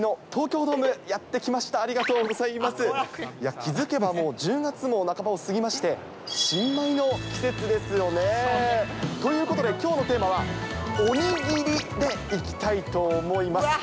気付けばもう１０月も半ばを過ぎまして、新米の季節ですよね。ということで、きょうのテーマはおにぎりでいきたいと思います。